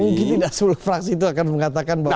mungkin tidak sepuluh praksi itu akan mengatakan bahwa